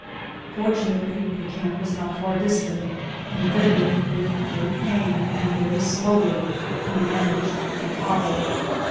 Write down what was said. Fortu nately the camp was not far distant, and thither with great pain and very slowly he managed to hobble.